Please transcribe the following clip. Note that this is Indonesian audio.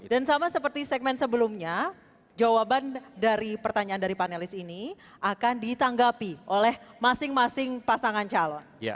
dan sama seperti segmen sebelumnya jawaban dari pertanyaan dari panelis ini akan ditanggapi oleh masing masing pasangan calon